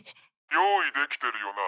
用意できてるよな？